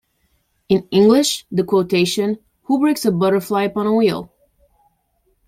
In English, the quotation Who breaks a butterfly upon a wheel?